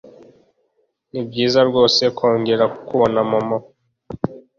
Nibyiza rwose kongera kukubona, Momoe.